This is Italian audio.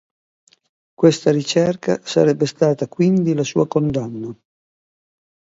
Questa ricerca sarebbe stata quindi la sua condanna.